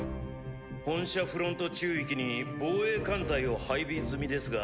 本社フロント宙域に防衛艦隊を配備済みですが。